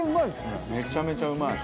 めちゃめちゃうまい。